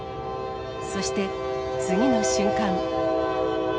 そして、次の瞬間。